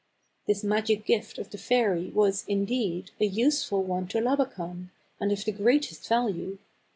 This magic gift of the fairy was, indeed, a useful one to Labakan, and of the greatest value.